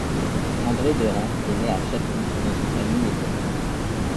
André Derain est né à Chatou, dans une famille aisée.